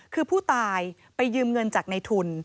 คือผู้ตายไปยืมเงินจากในทุน